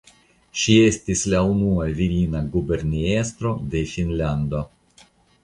Ŝi estis la unua virina guberniestro de Finnlando.